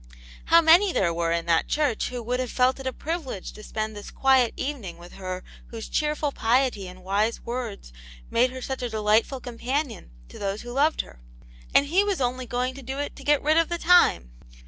How many there were in that church who would have felt it a privilege to spend this quiet evening with her whose cheerful p\e\.7 ^xv^ \iv&fe ^^x^^ 28 Atuit Jane's Hero, made her such a delightful companion to those who loved her. And he was only going to do it to get rid of the time!